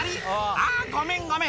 あぁごめんごめん」